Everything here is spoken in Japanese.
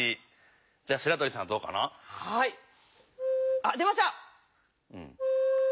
あっ出ました。